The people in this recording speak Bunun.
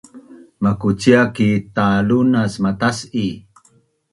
makucia ki talunas matas’i